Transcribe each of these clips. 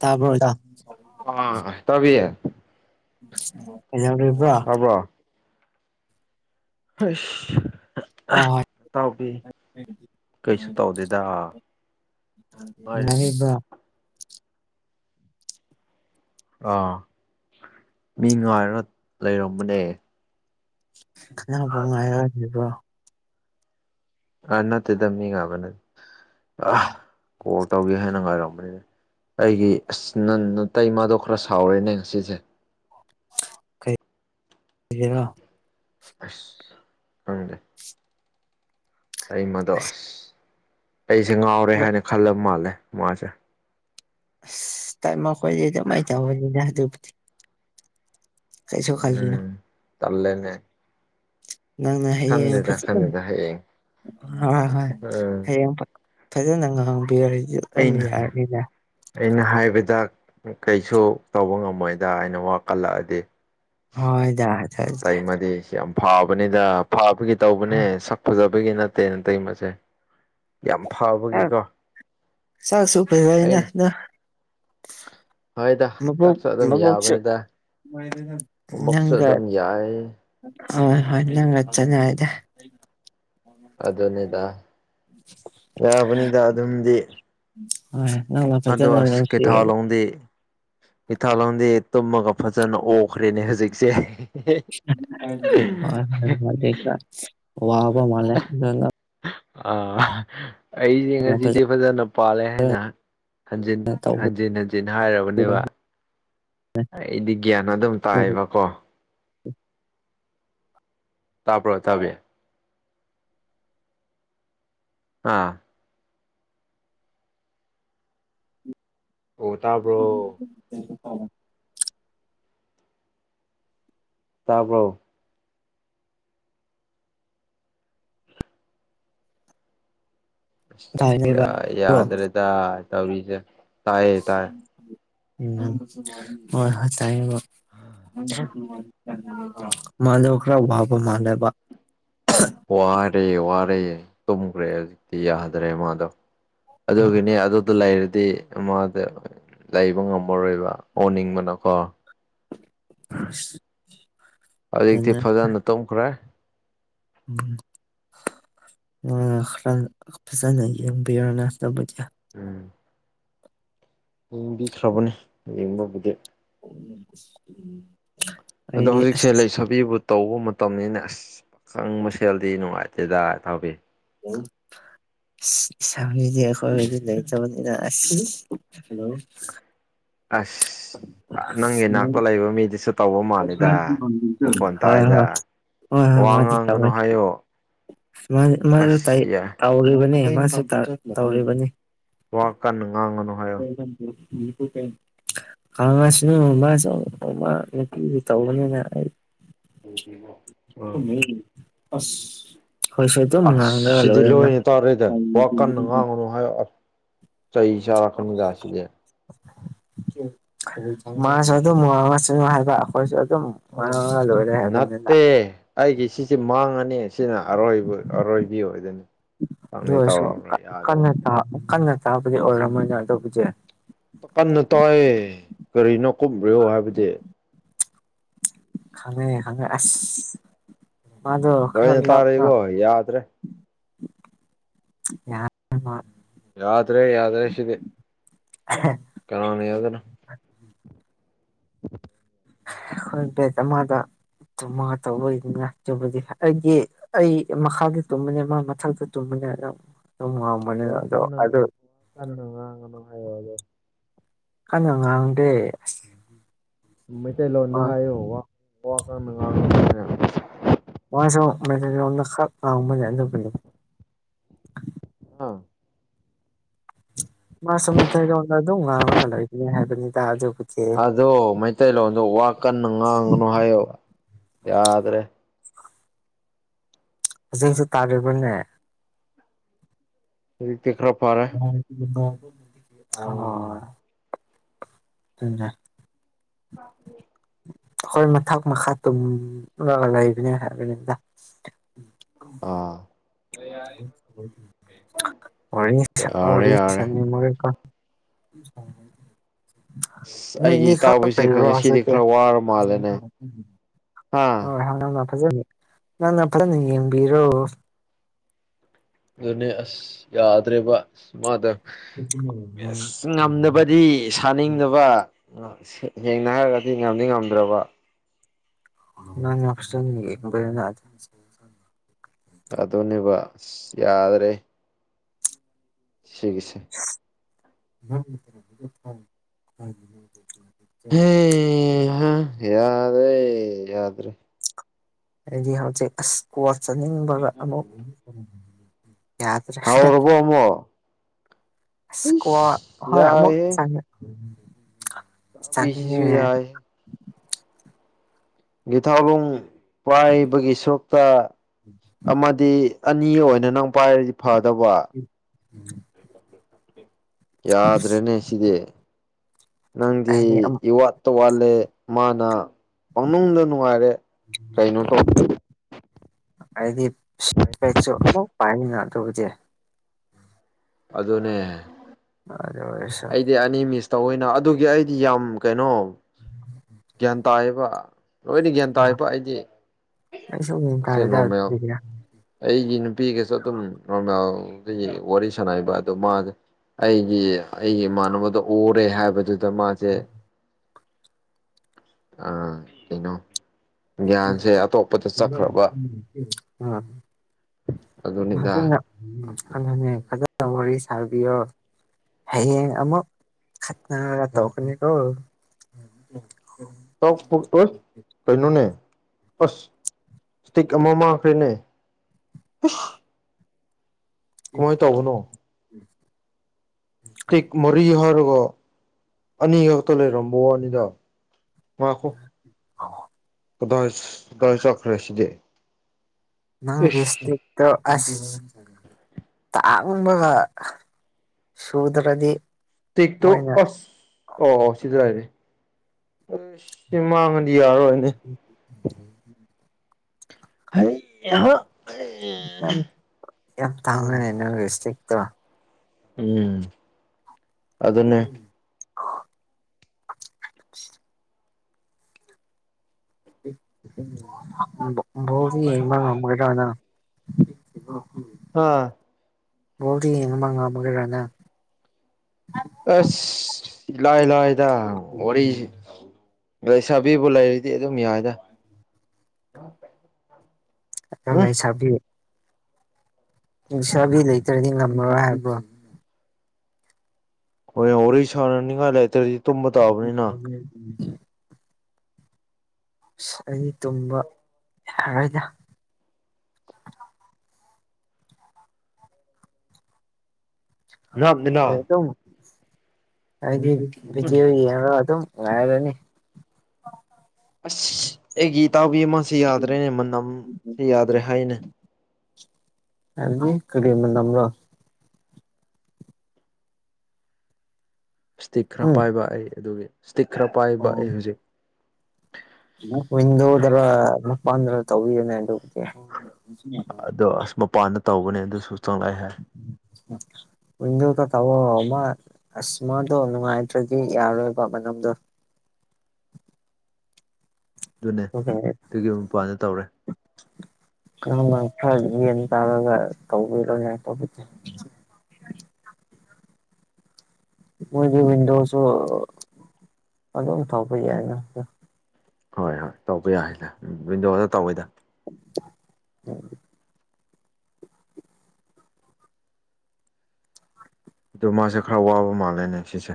ꯇꯥꯕꯔꯣ ꯑꯥ ꯏꯇꯥꯎꯕꯤ ꯖ ꯏꯕ꯭ꯔꯥ ꯇꯥꯕ꯭ꯔꯣ ꯍꯁ ꯍꯣꯏ ꯍꯣꯏ ꯑꯇꯥꯎꯕꯤ ꯀꯩꯁꯨ ꯇꯧꯗꯦꯗ ꯉꯥꯏꯔꯦ ꯅꯨꯉꯥꯏꯔꯤꯕ ꯑꯥ ꯃꯤ ꯉꯥꯏꯔꯒ ꯂꯩꯔꯝꯕꯅꯦ ꯀꯅꯕꯨ ꯉꯉꯥꯏꯔꯝꯃꯤꯕ ꯑꯥ ꯅꯠꯇꯦꯗ ꯃꯤ ꯉꯥꯛꯕꯅ ꯀꯣꯜ ꯇꯧꯒꯦ ꯍꯥꯏꯅ ꯉꯥꯏꯔꯝꯕꯅꯤꯅꯦ ꯑꯩꯒꯤ ꯑꯁ ꯅ ꯅꯇꯩꯃꯗꯣ ꯈꯔ ꯁꯥꯎꯔꯦꯅꯦ ꯉꯁꯤꯁꯦ ꯀꯔ ꯑꯁ ꯈꯩꯗꯦ ꯑꯩꯃꯗꯣ ꯑꯁ ꯑꯁ ꯑꯩꯁꯦ ꯉꯥꯎꯔꯦ ꯍꯥꯏꯅ ꯈꯜꯂꯕ ꯃꯥꯜꯂꯦ ꯃꯥꯁꯦ ꯑ ꯃꯈꯣꯏꯗꯤ ꯑꯗꯨꯃꯥꯏꯅ ꯇꯧꯕꯅꯤꯅ ꯑꯗꯨꯕꯨꯗꯤ ꯀꯩꯁꯨ ꯈꯜꯂꯨꯅꯨ ꯎꯝ ꯇꯂꯦꯅꯦ ꯅꯪꯅ ꯍꯌꯦꯡ ꯐ ꯈꯪꯗꯦꯗ ꯍꯌꯦꯡ ꯍꯣꯏ ꯍꯣꯏ ꯎꯝ ꯍꯌꯦꯡ ꯐꯖꯅ ꯉꯍꯥꯡꯕꯤꯔꯔꯤꯗꯤꯦ ꯑꯩꯅ ꯑꯩꯅ ꯍꯥꯏꯕꯗ ꯀꯩꯁꯨ ꯇꯧꯕ ꯉꯝꯃꯣꯏꯗ ꯑꯩꯅ ꯋꯥ ꯀꯜꯂꯛꯑꯗꯤ ꯍꯣꯏꯗ ꯇꯥꯏꯃꯗꯤ ꯁꯤ ꯌꯥꯝ ꯐꯥꯕꯅꯤꯗ ꯐꯥꯕꯒꯤ ꯇꯧꯕꯅꯦ ꯐꯖꯕꯒꯤ ꯅꯠꯇꯦꯅ ꯇꯩ ꯃꯁꯦ ꯌꯥꯝ ꯐꯕꯒꯤꯀꯣ ꯆꯥꯛꯁꯨ ꯐꯖꯩꯅ ꯑꯩꯅ ꯍꯣꯏꯗ ꯂꯚꯣꯛ ꯆꯥꯛꯁꯨ ꯑꯗꯨꯝ ꯂꯕꯣꯛꯁꯨ ꯌꯥꯕꯅꯤꯗ ꯊꯕꯛꯁꯨ ꯅꯪꯒ ꯑꯗꯨꯝ ꯌꯥꯏ ꯍꯣꯏ ꯍꯣꯏ ꯅꯪꯒ ꯆꯅꯉꯥꯏꯗ ꯑꯗꯨꯅꯤꯗ ꯌꯥꯕꯅꯤꯗ ꯑꯗꯨꯝꯗꯤ ꯍ ꯑꯗꯣ ꯑꯁ ꯀꯩꯊꯥꯎ ꯂꯧꯗꯦ ꯀꯩꯊꯥꯎ ꯂꯧꯗꯦ ꯇꯨꯝꯃꯒ ꯐꯖꯅ ꯑꯣꯈ꯭ꯔꯦꯅꯦ ꯍꯧꯖꯤꯛꯁꯦ [unintelligible] ꯋꯥꯕ ꯃꯂꯦ ꯑꯥ ꯑꯩꯁꯦ ꯐꯖꯅ ꯉꯁꯤꯗꯤ ꯐꯖꯅ ꯄꯥꯜꯂꯦ ꯍꯥꯏꯅ ꯍꯟꯖꯤꯟ ꯇꯧꯕꯗꯨꯗ ꯍꯟꯖꯤꯟ ꯍꯟꯖꯤꯟ ꯍꯥꯏꯔꯕꯅꯦꯕ ꯑꯩꯗꯤ ꯒ꯭ꯌꯥꯟ ꯑꯗꯨꯝ ꯇꯥꯏꯑꯕꯀꯣ ꯇꯥꯕ꯭ꯔꯣ ꯇꯥꯕꯤꯌꯨ ꯑꯥ ꯑꯣ ꯇꯥꯕ꯭ꯔꯣ ꯎꯝ ꯑꯣ ꯇꯥꯕꯣ ꯇꯥꯏꯅꯦꯕ ꯑ ꯕ꯭ꯔꯣ ꯌꯥꯗ꯭ꯔ ꯇ ꯇꯕꯤꯁꯦ ꯇꯥꯏ ꯇꯥꯏ ꯎꯝ ꯍꯣꯏ ꯍꯣꯏ ꯇꯥꯏꯕ ꯃꯥꯟꯗꯕ ꯈꯔ ꯋꯥꯕ ꯃꯥꯟꯗꯕ ꯋꯥꯔꯦ ꯋꯥꯔꯦ ꯇꯨꯝꯈ꯭ꯔꯦ ꯍꯧꯖꯤꯛꯇꯤ ꯌꯥꯗ꯭ꯔꯦ ꯃꯥꯗꯣ ꯑꯗꯨꯒꯤꯅꯦ ꯑꯗꯨꯗ ꯂꯩꯔꯗꯤ ꯃꯥꯁ ꯂꯩꯕ ꯉꯝꯃꯔꯣꯏꯕ ꯑꯣꯅꯤꯡꯕꯅꯀꯣ ꯍꯧꯖꯤꯛꯇꯤ ꯑꯗꯨꯅꯦ ꯐꯖꯅ ꯇꯧꯈ꯭ꯔꯦ ꯎꯝ ꯈꯔ ꯐꯖꯅꯔꯣꯇꯕꯨꯗꯤ ꯎꯝ ꯌꯦꯡꯕꯤꯈ꯭ꯔꯕꯅꯤ ꯌꯦꯡꯕꯕꯨꯗꯤ ꯎꯝ ꯎꯝ ꯑꯗꯣ ꯍꯧꯖꯤꯛꯁꯦ ꯂꯩꯁꯕꯤꯕꯨ ꯇꯧꯕ ꯃꯇꯝꯅꯤꯅ ꯑꯁ ꯈꯪꯕ ꯁꯦꯜꯗꯤ ꯅꯨꯡꯉꯥꯏꯇꯦꯗ ꯊꯥꯕꯤ ꯎꯝ ꯆꯗꯤ ꯈꯣꯏꯗꯨ ꯂꯩ ꯆꯕꯅꯤꯅꯁꯤꯂ ꯑꯁ ꯅꯪꯒꯤ ꯏꯅꯥꯛꯇ ꯂꯩꯕ ꯃꯤꯗꯨꯁꯨ ꯇꯧꯕ ꯃꯥꯜꯂꯤꯗ ꯃꯈꯣꯟ ꯍꯣꯏ ꯇꯥꯏꯗ꯫ ꯍꯣꯏ ꯍꯣꯏ ꯍ ꯋꯥ ꯃꯥꯗꯤ ꯉꯥꯡꯒꯅꯨ ꯇꯧꯋꯦ ꯍꯥꯏꯌꯣ ꯃꯥ ꯇꯥꯏ ꯑꯁ ꯌꯥꯏ ꯇꯧꯔꯤꯕꯅꯤ ꯃꯥꯁꯤ ꯇ ꯇꯧꯔꯤꯕꯅꯤ ꯋꯥ ꯀꯟꯅ ꯉꯥꯡꯉꯅꯨ ꯍꯥꯏ [unintelligible] ꯈꯥꯡꯉꯁꯤꯅꯃꯁꯨꯃꯥ ꯅꯨꯄꯤꯁꯨ ꯇꯧꯕꯅꯤꯅ ꯑꯩ ꯎꯝ ꯑꯁ ꯑꯁ ꯁꯤꯗꯤ ꯂꯣꯏꯅꯤ ꯇꯧꯔꯦꯗ ꯋꯥ ꯀꯟꯅ ꯉꯥꯡꯅꯨ꯫ ꯍꯥꯏ ꯆꯩ ꯆꯥꯔꯛꯀꯅꯤꯗ ꯁꯤꯗꯤ ꯃꯁꯨ ꯑꯗꯨꯝ ꯋꯥꯁꯅꯨ ꯍꯥꯏꯕ ꯑꯈꯣꯢꯁꯨ ꯑꯗꯨꯝ ꯋꯥꯡꯉꯂꯣꯢ꯫ ꯅꯠꯇꯦ ꯑꯩꯒꯤ ꯁꯤꯁꯦ ꯃꯥꯡꯉꯅꯤ ꯁꯤꯅ ꯑꯔꯣꯏꯕ ꯑꯔꯣꯏꯕꯤ ꯑꯣꯏꯗꯣꯏꯅꯤ꯫ ꯑꯗꯨ ꯇꯧꯅꯤ ꯑꯣꯏꯁꯨ ꯇꯧꯔꯔꯣꯏ ꯌꯥꯗ꯭ꯔꯦ ꯀꯟꯅ ꯇꯥ ꯀꯟꯅ ꯇꯥꯕꯗꯤ ꯑꯣꯏꯔꯝꯃꯣꯏꯅ ꯑꯗꯨꯕꯨꯗꯤ꯫ ꯀꯟꯅ ꯇꯥꯏꯏ ꯀꯔꯤꯅꯣ ꯀꯨꯝꯈꯔꯤꯑꯣ ꯍꯥꯏꯕꯗꯤ? ꯈꯪꯉꯦ ꯈꯪꯉꯦ ꯑꯁ ꯃꯥꯗ ꯂꯣꯏꯅ ꯈꯔ ꯂ ꯂ ꯇꯥꯔꯦꯀꯣ ꯌꯥꯗ꯭ꯔꯦ ꯌꯥ ꯎꯣꯏ ꯌꯥꯗ꯭ꯔꯦ ꯌꯥꯗ꯭ꯔ ꯁꯤꯗꯤ꯫ ꯍꯍꯦ ꯀꯥꯅꯦꯗꯔ ꯑꯩꯈꯣꯏ ꯕꯦꯠ ꯑꯃꯗ ꯇꯨꯝꯃꯒ ꯇꯧꯕꯅ ꯆꯕꯗꯤ ꯑꯩꯒꯤ ꯑꯩ ꯃꯈꯥꯒꯤ ꯇꯨꯝꯕꯅꯦ ꯃꯥ ꯃꯊꯛꯇ ꯇꯨꯝꯕꯅꯤ ꯑꯗꯨ ꯑꯗꯨꯝ ꯑꯗꯣ ꯋꯥꯀꯟꯅ ꯑꯗꯨ ꯀꯟꯅ ꯉꯥꯡꯅꯨꯍꯥꯏꯣꯗꯣ ꯀꯟꯅ ꯉꯥꯡꯗꯦ ꯃꯩꯇꯩꯂꯣꯟꯗ ꯑꯁ ꯍꯥꯏꯌꯨ ꯋꯥ ꯋꯥ ꯀꯟꯅ ꯉꯥꯡꯅꯨꯅ ꯃ ꯃꯦꯁꯖꯅ ꯈ ꯑ ꯃꯖꯅꯖꯒ ꯑ ꯎꯝ ꯃꯥꯁꯨ ꯃꯩꯇꯩꯂꯣꯟꯗ ꯑꯗꯨꯝ ꯉꯥꯡꯅꯒꯂꯒꯅꯦ ꯍꯥꯏꯕꯅꯤ ꯇꯥ ꯑꯗꯨꯕꯨꯊꯑꯦ ꯑꯗꯣ ꯃꯩꯇꯩꯂꯣꯟꯗꯣ ꯋꯥ ꯀꯟꯅ ꯉꯥꯡꯉꯅꯨ ꯍꯥꯏꯌꯕ ꯌꯥꯗ꯭ꯔꯦ ꯍꯧꯖꯤꯛꯁꯨ ꯇꯥꯔꯤꯕꯅꯦ꯫ ꯗꯤ ꯈꯔ ꯐꯔꯦ꯫ [unintelligible] [inaudible] ꯎꯝ ꯎꯝ ꯑ ꯎ ꯍꯣꯏ ꯃꯊꯛ ꯃꯈꯥ ꯇꯨꯝꯂ ꯂꯩꯕꯅꯦ ꯍꯥꯏꯕꯅꯤꯗ꯫ ꯑꯥ ꯑꯣꯔꯤꯁꯥ ꯌꯥꯔꯦ ꯑꯣꯔꯤꯁ ꯌꯥꯔꯦ ꯃꯦꯃꯣꯔꯤ ꯀꯥꯔꯠ ꯑꯁ ꯑꯩꯒꯤ ꯅꯣꯏꯅꯤꯈꯥꯛ ꯏꯇꯥꯎꯕꯤꯁꯦ ꯂꯩꯕꯔꯥ ꯉꯁꯤꯗꯤ ꯍꯧꯖꯤꯛꯇꯤ ꯈꯔ ꯋꯥꯔ ꯃꯥꯜꯂꯦꯅꯦ ꯍꯥ ꯍꯣꯏ ꯍꯪꯗꯨꯒ ꯐꯖꯟ ꯅꯪꯅ ꯐꯖꯅ ꯌꯦꯡꯕꯤꯔꯣ ꯑꯗꯨꯅꯦ ꯑꯁ ꯌꯥꯗ꯭ꯔꯦꯕ ꯑꯁ ꯃꯥꯗ ꯑꯁ ꯉꯝꯗꯕꯗꯤ ꯁꯥꯅꯤꯡꯗꯕ ꯁꯦꯡꯅ ꯍꯥꯏꯔꯒꯗꯤ ꯉꯝꯗꯤ ꯉꯝꯗ꯭ꯔꯥꯕ [unintelligible] ꯑꯗꯨꯅꯦꯕ ꯑꯁ ꯌꯥꯗ꯭ꯔꯦ ꯁꯤꯒꯤꯁꯦ [unintelligible] ꯍꯦ ꯌꯥꯗ꯭ꯔꯦ ꯌꯥꯗ꯭ꯔꯦ ꯑꯩꯗꯤ ꯍꯧꯖꯤꯛ ꯑꯁ ꯀ꯭ꯋꯥ ꯆꯅꯤꯡꯕꯒ ꯑꯃꯨꯛ ꯌꯥꯗ꯭ꯔꯦ ꯍꯥꯎꯔꯕꯣ ꯑꯃꯨꯛ ꯑꯁ ꯀ꯭ꯋꯥ ꯏꯁ ꯍꯣꯏ ꯑꯃꯨꯛ ꯌꯥꯏꯍꯦ ꯆꯥꯅꯤ ꯕꯤꯁꯤꯁꯨꯨ ꯌꯥꯏ ꯒꯤꯊꯥꯎꯂꯣꯡ ꯄꯥꯏꯕꯒꯤ ꯁꯨꯛꯇꯥ ꯑꯃꯗꯤ ꯑꯅꯤ ꯑꯣꯏꯅ ꯅꯪ ꯄꯥꯏꯔꯗꯤ ꯐꯗꯕ [inaudible] ꯌꯥꯗ꯭ꯔꯦꯅꯦ ꯁꯤꯗꯤ ꯅꯪꯗꯤ ꯑꯩꯗꯤ ꯏꯋꯥꯠ ꯇ ꯋꯥꯠꯂꯦ ꯃꯥꯅ ꯄꯪꯅꯨꯡꯗ ꯅꯨꯡꯉꯥꯏꯔꯦ ꯀꯩꯅꯣ ꯇꯧ ꯑꯩꯗꯤ ꯁ꯭ꯄꯦꯛꯁꯨ ꯑꯃꯨꯛ ꯄꯥꯏꯅ ꯑꯗꯨꯕꯨꯗꯤ ꯑꯗꯨꯅꯦ ꯑꯗꯨ ꯑꯣꯏꯔꯁꯨ ꯑꯩꯗꯤ ꯑꯅꯤ ꯃꯤꯁ ꯇꯧꯋꯦꯅ ꯑꯗꯨꯒꯤ ꯑꯩꯗꯤ ꯌꯥꯝ ꯀꯩꯅꯣ ꯒ꯭ꯌꯥꯟ ꯇꯥꯕ ꯂꯣꯏꯅ ꯒ꯭ꯌꯥꯟ ꯇꯥꯕ ꯑꯩꯗꯤ ꯑꯩꯁꯨ ꯒ꯭ꯌꯥꯟ ꯃꯁꯤ ꯇꯥꯗꯦꯗ ꯅꯣꯔꯃꯦꯜ ꯑꯗꯨꯒꯤꯅꯦ ꯑꯩꯒꯤ ꯅꯨꯄꯤꯒꯁꯨ ꯑꯗꯨꯝ ꯅꯣꯔꯃꯦꯜꯒꯤ ꯋꯥꯔꯤ ꯁꯥꯟꯅꯕ ꯑꯗꯣ ꯃꯥ ꯑꯩꯒꯤ ꯑꯩꯒꯤ ꯏꯃꯥꯟꯅꯕꯗ ꯑꯣꯔꯦ ꯍꯥꯏꯕꯗꯨꯗꯤ ꯗꯥ ꯃꯥꯖꯦ ꯑꯥ ꯀꯩꯅꯣ ꯒ꯭ꯌꯥꯟꯁꯦ ꯑꯇꯣꯞꯄꯗ ꯆꯠꯈ꯭ꯔꯕ [unintelligible] ꯑꯗꯨꯅꯤꯗ ꯐꯖꯅ ꯑꯗꯨꯅꯦ ꯐꯖꯅ ꯋꯥꯔꯤ ꯁꯥꯕꯤꯌꯣ ꯍꯌꯦꯡ ꯑꯃꯨꯛ ꯈꯠꯅꯔꯒ ꯇꯧꯀꯥꯅꯤꯀꯣ [unintelligible] ꯀꯩꯅꯣꯅꯦ ꯑꯁ ꯏꯁꯇꯤꯛ ꯑꯃ ꯃꯥꯡꯈ꯭ꯔꯦꯅꯦ ꯀꯃꯥꯏꯟ ꯇꯧꯕꯅꯣ ꯇꯤꯛ ꯃꯔꯤꯍꯥꯏꯔꯒ ꯑꯅꯤꯈꯛꯇꯥ ꯂꯩꯔꯝꯕ ꯋꯥꯅꯤꯗ ꯉꯥꯈꯣ [inaudible] ꯀꯗꯥꯏ ꯀꯗꯥꯏ ꯆꯠꯈ꯭ꯔꯦ ꯁꯤꯗꯤ ꯅꯪꯒꯤ ꯏꯁ ꯁ꯭ꯇꯤꯛꯇꯣ ꯑꯁ ꯇꯥꯡꯕꯒ ꯁꯨꯗ꯭ꯔꯗꯤ ꯇꯤꯛꯇꯣ ꯃꯣꯏꯅ ꯑꯁ ꯑꯣ ꯑꯣ ꯁꯤꯗ ꯂꯩꯔꯦ ꯁꯤ ꯃꯥꯡꯉꯗꯤ ꯌꯥꯔꯣꯏꯅꯦ [inaudible] ꯍꯩ ꯌꯥꯍꯥ ꯌꯥꯝ ꯌꯥꯝ ꯇꯥꯡꯉꯔꯥꯅꯦ ꯅꯪꯒꯤ ꯁ꯭ꯇꯤꯛꯇꯣ ꯎꯝ ꯑꯗꯨꯅꯦ ꯕꯣꯜꯗꯤ ꯌꯦꯡꯕ ꯉꯥꯝꯒꯗ꯭ꯔꯥ ꯅꯪ [unintelligible] ꯑꯥ ꯕꯣꯜꯗꯤ ꯌꯦꯡꯕ ꯉꯝꯒꯥꯗ꯭ꯔꯥ ꯅꯪ ꯑꯁ ꯏꯂꯥꯏ ꯂꯥꯏꯗ ꯋꯥꯔꯤ ꯂꯩꯁꯥꯕꯤꯕꯨ ꯂꯩꯔꯤꯗꯤ ꯑꯗꯨꯝ ꯌꯥꯏꯗ ꯑꯉꯥꯡ ꯎꯝ ꯂꯩꯁꯥꯕꯤ ꯂꯩꯁꯥꯕꯤ ꯂꯩꯇ꯭ꯔꯗꯤ ꯉꯝꯃꯔꯣꯏ ꯍꯥꯏꯕ꯭ꯔꯣ ꯍꯣꯏ ꯋꯥꯔꯤ ꯁꯥꯟꯅꯅꯤꯉꯥꯏ ꯂꯩꯇ꯭ꯔꯥꯗꯤ [inaudible] ꯁꯥꯏꯗꯩ ꯇꯨꯝꯕ ꯌꯥꯔꯣꯏꯗ ꯅꯞꯅꯤꯅ ꯑꯗꯨ ꯑꯩꯗꯤ ꯎꯝ ꯕꯤꯗꯤꯌꯣ ꯌꯦꯡꯉꯥꯒ ꯑꯗꯨ ꯉꯥꯏꯔꯥꯅꯤ ꯑꯁ ꯑꯩꯒꯤ ꯏꯇꯥꯎꯕꯤ ꯑꯃꯥꯁꯦ ꯌꯥꯗ꯭ꯔꯦꯅꯦ ꯃꯅꯝꯁꯦ ꯌꯥꯗ꯭ꯔꯦ ꯍꯥꯏꯅꯦ ꯍꯥꯏꯕꯗꯤ ꯀꯔꯤ ꯃꯥꯅꯝꯔꯥ ꯏꯁꯇꯤꯛ ꯈꯔ ꯎꯝ ꯄꯥꯏꯕ ꯑꯩ ꯑꯗꯨꯒꯤ ꯏꯁꯇꯤꯛ ꯈꯔ ꯄꯥꯏꯕ ꯑꯩ ꯍꯧꯖꯤꯛ ꯋꯤꯟꯗꯣꯗꯔꯥ ꯃꯄꯥꯟꯗꯔꯥ ꯇꯧꯕꯤꯌꯣꯅꯦ ꯑꯗꯨꯝ ꯑꯗꯣ ꯑꯁ ꯃꯄꯥꯟꯗ ꯇꯧꯕꯅꯦ ꯑꯗꯨꯁꯨ ꯆꯪꯂꯛꯑꯦ ꯍꯦ [unintelligible] ꯋꯤꯟꯗꯣꯗ ꯇꯥꯑꯣ ꯃꯥ ꯑꯁ ꯃꯗꯣ ꯅꯨꯡꯉꯥꯏꯇ꯭ꯔꯗꯤ ꯌꯥꯔꯣꯏꯕ ꯃꯅꯝꯗꯣ ꯑꯗꯨꯅꯦ ꯑꯗꯨꯒꯤ ꯃꯄꯥꯟꯗ ꯇꯧꯔꯦ ꯅꯪ ꯈꯔ ꯌꯦꯟ ꯇꯥꯔꯒ ꯇꯧꯕꯤꯔꯣꯅꯦ [unintelligible] ꯃꯣꯏꯗꯤ ꯋꯤꯟꯗꯣꯁꯨ ꯑꯗꯨꯝ ꯊꯧꯕ ꯌꯥꯏꯅ ꯍꯣꯏ ꯍꯣꯏ ꯇꯧꯕ ꯌꯥꯏꯗ ꯋꯤꯟꯗꯣꯗ ꯇꯧꯋꯤꯗ [unintelligible] ꯑꯗꯨ ꯃꯥꯁꯦ ꯈꯔ ꯋꯥꯕ ꯃꯥꯜꯂꯦꯅꯦ ꯁꯤꯁꯦ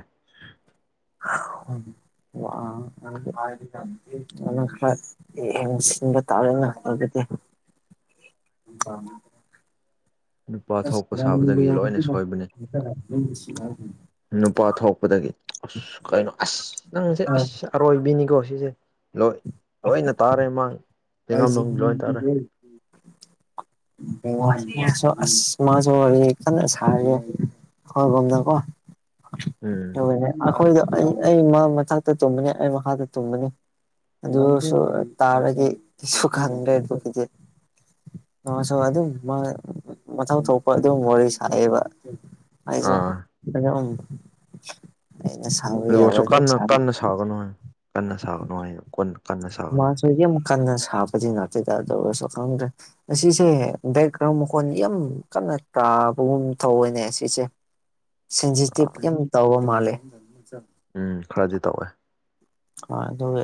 [inaudible] ꯌꯦꯡꯁꯤꯟꯕ ꯇꯥꯔꯦꯅ ꯑꯗꯨꯗꯤ ꯅꯨꯄꯥ ꯊꯣꯛꯄ ꯁꯥꯕꯗꯒꯤ ꯂꯣꯏꯅ ꯁꯣꯏꯕꯅꯦ ꯅꯨꯄꯥ ꯊꯣꯛꯄꯗꯒꯤ ꯑꯁ ꯀꯩꯅꯣ ꯑꯁ ꯅꯪꯁꯦ ꯑꯁ ꯑꯔꯣꯏꯕꯤꯅꯤꯀꯣ ꯁꯤꯁꯦ ꯂꯣꯏ ꯂꯣꯏꯅ ꯇꯥꯔꯦ ꯃꯥ ꯂꯩꯉꯝꯂꯣꯡꯕꯤ ꯂꯣꯏꯅ ꯇꯥꯔꯦ [unintelligible] [unintelligible] ꯃꯥꯁꯨ [inaudible] ꯀꯟꯅꯥ ꯁꯔꯦ ꯍꯥꯏꯒꯨꯝꯗꯀꯣ ꯎꯝ ꯂꯣꯏꯔꯦ ꯑꯩꯈꯣꯏꯗꯣ ꯑꯩ ꯑꯩ ꯃꯥ ꯃꯊꯛꯇ ꯇꯨꯝꯕꯅꯦ ꯑꯩ ꯃꯈꯥꯗ ꯇꯨꯝꯕꯅꯤ ꯑꯗꯨꯁꯨ ꯇꯥꯔꯒꯤ ꯁꯨꯛꯍꯟꯗꯔꯦ ꯑꯗꯨꯕꯨꯗꯤ ꯃꯥꯁꯨ ꯑꯗꯨꯝ ꯃꯥ ꯃꯊꯧ ꯇꯧꯕ ꯑꯗꯨꯝ ꯋꯥꯔꯤ ꯁꯥꯟꯅꯩꯕ ꯑꯩꯁꯨ ꯑꯥ ꯑꯗꯨꯝ ꯑꯩꯅ ꯁꯥꯕ ꯑꯗꯨ ꯌꯥꯕ ꯑꯣꯏꯔꯁꯨ ꯑꯗꯨꯝ ꯀꯟꯅ ꯁꯥꯔꯦ ꯀꯟꯅ ꯁꯥꯒꯅꯨ ꯀꯟꯅ ꯁꯥꯒꯅꯨ ꯍꯥꯏꯌꯣ ꯀꯟꯅ ꯁꯥꯒꯅꯣꯌꯣ ꯈꯣꯏꯗꯤ ꯑꯃꯨꯛ ꯀꯟꯅ ꯁꯥꯕꯗꯤ ꯅꯠꯇꯦꯗ ꯑꯗꯨ ꯑꯣꯏꯔꯁꯨ ꯈꯪꯗ꯭ꯔꯦ ꯑꯁꯤꯁꯦ ꯕꯦꯛ ꯒꯔꯥꯎ ꯃꯈꯣꯟ ꯌꯥꯝ ꯀꯟꯅ ꯇꯥꯕꯒꯨꯝ ꯊꯧꯋꯦꯅꯦ ꯁꯤꯁꯦ [inaudible] ꯁꯦꯟꯁꯤꯇꯤꯞ ꯑꯥ ꯌꯥꯝ ꯇꯧꯕ ꯃꯥꯜꯂꯦ ꯎꯝ ꯈꯔꯗꯤ ꯇꯧꯋꯦ ꯍꯣꯏ ꯑꯗꯨꯒꯤ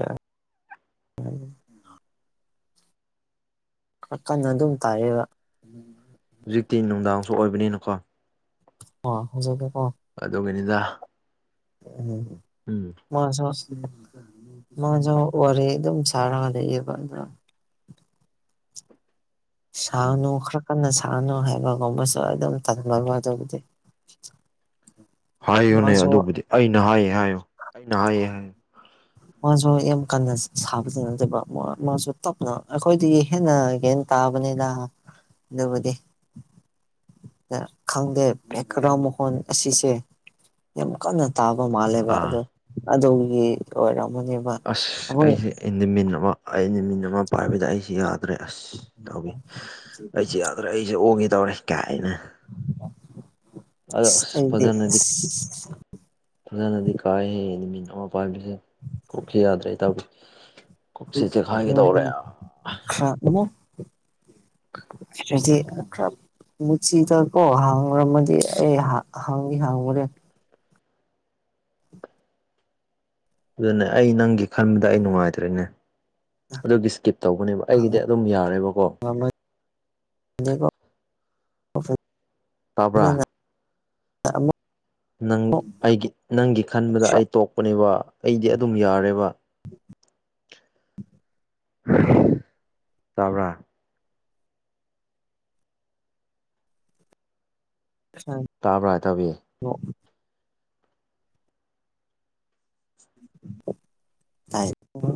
ꯎꯝ ꯀꯟꯅ ꯑꯗꯨꯝ ꯇꯥꯏꯌꯦꯕ ꯍꯧꯖꯤꯛꯇꯤ ꯅꯨꯡꯗꯥꯡꯁꯨ ꯑꯣꯏꯕꯅꯤꯅꯀꯣ ꯑꯣ ꯍꯧꯖꯤꯛꯇꯤꯀꯣ ꯑꯗꯨꯒꯤꯅꯤꯗ ꯎꯝ ꯎꯝ ꯃꯥꯁꯨ ꯃꯥꯁꯨ ꯋꯥꯔꯤ ꯑꯗꯨꯝ ꯁꯥꯔꯒ ꯂꯩꯑꯦꯕ ꯑꯗꯨ ꯎꯝ ꯁꯥꯅꯨ ꯈꯔ ꯀꯟꯅ ꯁꯥꯅꯨ ꯍꯥꯏꯕꯒꯨꯝꯕꯁꯨ ꯑꯗꯨꯝ ꯇꯝꯂꯥꯕ ꯑꯗꯨꯕꯨꯗꯤ ꯍꯥꯏꯌꯨꯅꯦ ꯃꯥꯁꯨ ꯑꯗꯨꯕꯨꯗꯤ ꯑꯩꯅ ꯍꯥꯏꯌꯦ ꯍꯥꯏꯌꯨ ꯑꯩꯅ ꯍꯥꯏꯌꯦ ꯍꯥꯏꯌꯨ ꯃꯥꯁꯨ ꯌꯥꯝ ꯀꯟꯅ ꯁꯥꯕꯗꯤ ꯅꯠꯇꯕ ꯃꯥꯁꯨ ꯇꯞꯅ ꯑꯩꯈꯣꯏꯗꯤ ꯍꯦꯟꯅ ꯍꯦ ꯇꯥꯕꯅꯗ ꯏꯕꯨꯗꯤ ꯈꯪꯗꯦ ꯕꯦꯛꯒ꯭ꯔꯥꯎꯟ ꯃꯈꯜ ꯑꯁꯤꯁꯦ ꯌꯥꯝ ꯀꯥꯟꯅ ꯇꯥꯕ ꯃꯥꯜꯂꯦꯕ ꯑꯥ ꯑꯣ ꯑꯗꯨꯒꯤ ꯑꯣꯏꯔꯝꯅꯦ ꯑꯁ ꯑꯩꯁꯦ ꯑꯦꯅꯤꯃꯤꯟ ꯑꯃ ꯑꯩꯅꯤꯃꯤꯟ ꯑꯃ ꯄꯥꯏꯕꯗ ꯑꯩꯁꯦ ꯌꯥꯗꯦ ꯌꯥ꯭ꯔꯦ ꯑꯁ ꯇꯧꯒ ꯑꯩꯁꯦ ꯌꯥꯗ꯭ꯔꯦ ꯑꯩꯁꯦ ꯑꯣꯒꯦ ꯇꯧꯔꯦ ꯀꯥꯏꯅ ꯑ ꯑꯩꯗꯤ ꯄꯗꯅꯗꯤ ꯐꯖꯅꯗꯤ ꯀꯥꯏ ꯍꯩ ꯍꯥꯏ ꯃꯤꯡ ꯑꯃ ꯄꯥꯟꯕꯥꯏꯕꯤꯁꯦ ꯀꯣꯛꯈꯤ ꯌꯥꯗ꯭ꯔꯦ ꯇꯧꯋꯤ ꯀꯨꯞꯁꯤ ꯆꯦꯈꯥꯏꯒꯗꯧꯔꯦ ꯈꯔ ꯁꯤꯗꯤ ꯈꯔ ꯃꯨꯁꯤꯤꯗ ꯀꯣ ꯍꯥꯡꯉꯨꯔꯝꯃꯗꯤ ꯑꯩ ꯍꯥꯡꯉ ꯍꯥꯡꯉꯨꯔꯦ ꯑꯗꯨꯅꯦ ꯑꯩ ꯅꯪꯒꯤ ꯈꯟꯕꯗ ꯑꯩ ꯅꯨꯡꯉꯥꯏꯇ꯭ꯔꯦꯅꯦ ꯑꯗꯨꯒꯤ ꯏꯁꯀꯤꯞ ꯇꯧꯕꯅꯦꯕ ꯑꯩꯒꯤꯗꯤ ꯑꯗꯨꯝ ꯌꯥꯔꯦꯕꯀꯣ ꯑꯀꯣ ꯇꯥꯕ꯭ꯔꯥ ꯑꯗꯨꯅ ꯑꯃꯨꯛ ꯅꯪ ꯑꯩꯒꯤ ꯅꯪꯒꯤ ꯈꯟꯕꯗ ꯑꯩ ꯇꯣꯛꯄꯅꯦꯕ ꯑꯩꯗꯤ ꯑꯗꯨꯝ ꯌꯥꯔꯦꯕ ꯆꯥꯕ꯭ꯔꯥ ꯑ ꯇꯥꯕ꯭ꯔꯥ ꯍꯥꯏ ꯇꯥꯕꯤꯌꯦ ꯑꯣ ꯍꯥꯏ